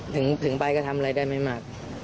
ถึงไปก็ทำอะไรได้ไม่มาก